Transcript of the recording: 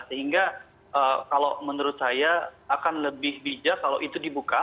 sehingga kalau menurut saya akan lebih bijak kalau itu dibuka